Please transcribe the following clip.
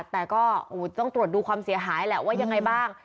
แต่ก็ต้องตรวจดูความเสียหายแหละว่ายังไงบ้าง